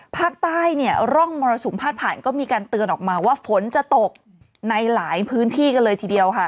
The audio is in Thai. ภาคใต้เนี่ยร่องมรสุมพาดผ่านก็มีการเตือนออกมาว่าฝนจะตกในหลายพื้นที่กันเลยทีเดียวค่ะ